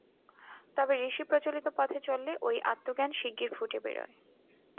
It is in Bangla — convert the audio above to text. তবে ঋষিপ্রচলিত পথে চললে ঐ আত্মজ্ঞান শীগগীর ফুটে বেরোয়।